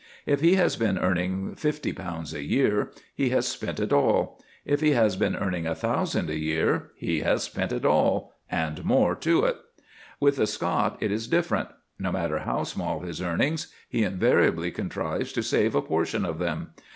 If he has been earning fifty pounds a year, he has spent it all; if he has been earning a thousand a year, he has spent it all and more to it. With the Scot it is different. No matter how small his earnings, he invariably contrives to save a portion of them.